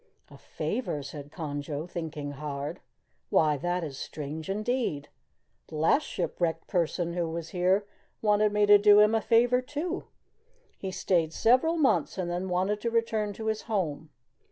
"A favor?" said Conjo, thinking hard. "Why, that is strange indeed! The last shipwrecked person who was here wanted me to do him a favor, too. He stayed several months and then wanted to return to his home.